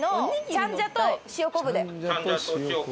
チャンジャと塩昆布。